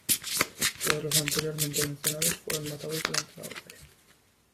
Todos los anteriormente mencionados fueron matados durante la batalla.